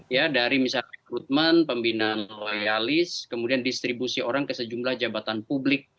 ya dari misalnya rekrutmen pembinaan loyalis kemudian distribusi orang ke sejumlah jabatan publik